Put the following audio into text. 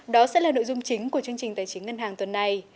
đó sẽ là nội dung chính của chương trình tài chính ngân hàng tuần này